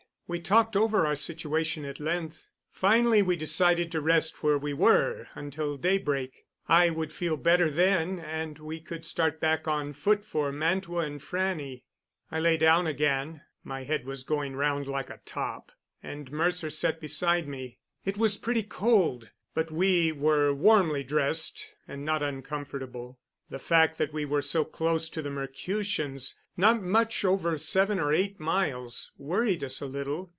We talked over our situation at length. Finally we decided to rest where we were until daybreak. I would feel better then, and we could start back on foot for Mantua and Frannie. I lay down again my head was going round like a top and Mercer sat beside me. It was pretty cold, but we were warmly dressed and not uncomfortable. The fact that we were so close to the Mercutians not much over seven or eight miles worried us a little.